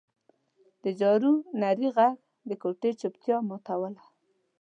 د جارو نري غږ د کوټې چوپتیا ماتوله.